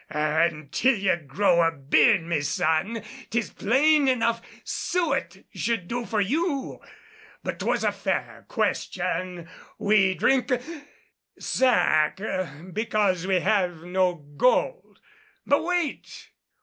An' till you grow a beard, me son, 'tis plain enough suet should do for you. But, 'twas a fair question. We drink hic sack because we have no gold. But wait!